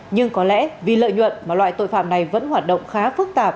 nhưng có lẽ vì lợi nhuận mà loại tội phạm này vẫn hoạt động khá phức tạp